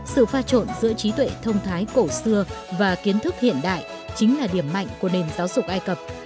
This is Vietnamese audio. sự pha trộn giữa trí tuệ thông thái cổ xưa và kiến thức hiện đại chính là điểm mạnh của nền giáo dục ai cập